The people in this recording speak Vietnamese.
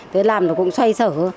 thế làm nó cũng xoay sở